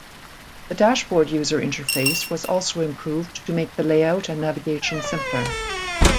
The dashboard user interface was also improved to make the layout and navigation simpler.